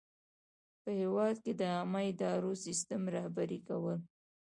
په هیواد کې د عامه اداري سیسټم رهبري کول.